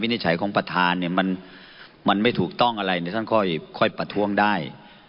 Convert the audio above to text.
นิจฉัยของประธานเนี่ยมันไม่ถูกต้องอะไรท่านค่อยประท้วงได้